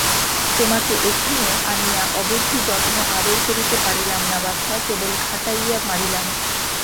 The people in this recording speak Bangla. তোমাকে এখানে আনিয়া অবধি যত্ন-আদর করিতে পারিলাম না বাছা, কেবল খাটাইয়া মারিলাম।